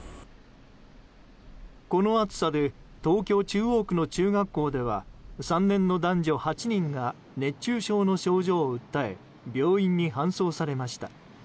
この暑さで東京・中央区の中学校では３年の男女８人が熱中症の症状を訴え病院に搬送されました。